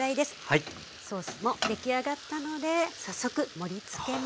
ソースも出来上がったので早速盛りつけます。